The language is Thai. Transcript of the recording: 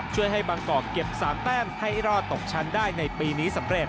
ช่วยให้บางกอกเก็บ๓แต้มให้รอดตกชั้นได้ในปีนี้สำเร็จ